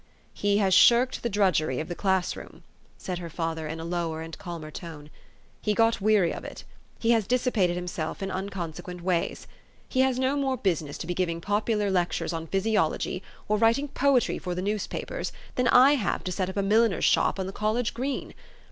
" He has shirked the drudgery of the class room," THE STORY OF AVIS. 317 ,said her father in a lower and calmer tone. " He got weary of it. He has dissipated himself irf un consequent ways. He has no more business to be giving popular lectures on physiolog} T , or writing poetry for the newspapers, than I have to set up a milliner's shop on the college green.